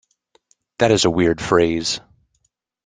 That is a weird phrase.